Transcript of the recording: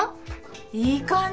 いい感じ